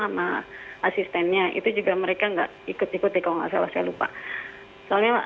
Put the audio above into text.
sama asistennya itu juga mereka tidak ikut ikut ya kalau tidak salah saya lupa